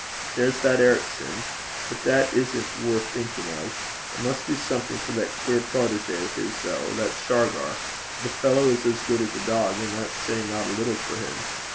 There's that Ericson but that isn't worth thinking of. I must do something for that queer protégé of his, though that Shargar. The fellow is as good as a dog, and that's saying not a little for him.